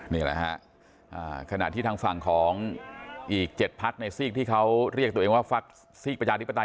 นี่แหละฮะขณะที่ทางฝั่งของอีก๗พักในซีกที่เขาเรียกตัวเองว่าฟักซีกประชาธิปไตย